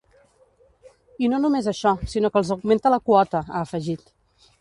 I no només això, sinó que els augmenta la quota, ha afegit.